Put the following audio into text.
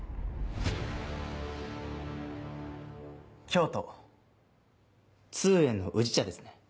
京都通圓の宇治茶ですね。